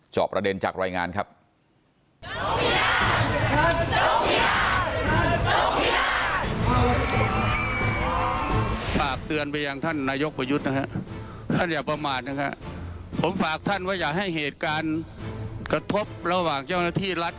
จอบประเด็นจากรายงานครับ